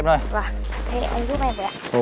thế anh giúp em với ạ